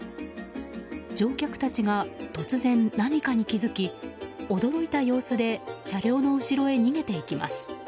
乗客たちが突然何かに気づき驚いた様子で車両の後ろへ逃げていきます。